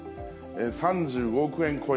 ３５億円超え？